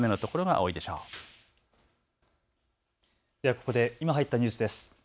ここで今入ったニュースです。